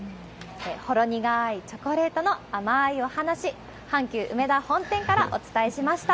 ほろ苦ーいチョコレートの甘ーいお話、阪急うめだ本店からお伝えしました。